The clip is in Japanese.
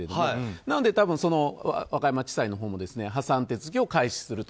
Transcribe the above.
和歌山地裁のほうも破産手続きを開始すると。